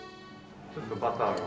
ちょっとバターが。